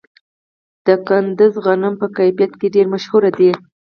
د کندز غنم په کیفیت کې ډیر مشهور دي.